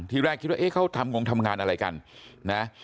ทีแรกคิดว่าเอ๊ะเขาทำงงทำงานอะไรกันนะ